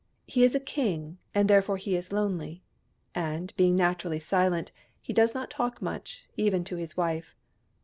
He is a king, and therefore he is lonely : and, being naturally silent, he does not talk much, even to his wife.